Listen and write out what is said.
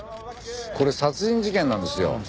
これ殺人事件なんですよ。